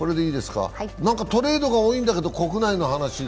何かトレードが多いんだけど国内の話。